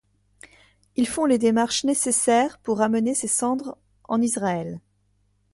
Ils font les démarches nécessaires pour amener ses cendres en Israël.